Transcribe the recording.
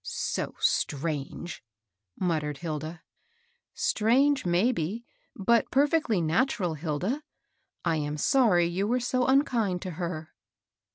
" So strange !" muttered Hilda. " Stringe, maybe, but perfectly natural, Hilda. I am sorry you were so unkind to her."